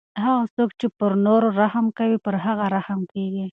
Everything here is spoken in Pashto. هغه څوک چې پر نورو رحم کوي پر هغه رحم کیږي.